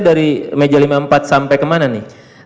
dari meja lima puluh empat sampai kemana nih